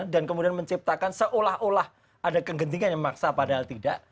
dan kemudian menciptakan seolah olah ada kegentingan yang memaksa padahal tidak